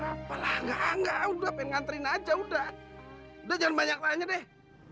ya apalah nggak nggak udah pengen ngantrin aja udah udah jangan banyak tanya deh